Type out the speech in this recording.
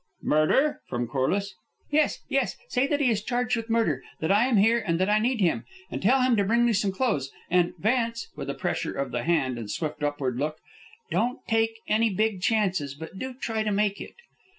"Murder?" from Corliss. "Yes, yes. Say that he is charged with murder; that I am here; and that I need him. And tell him to bring me some clothes. And, Vance," with a pressure of the hand and swift upward look, "don't take any ... any big chances, but do try to make it."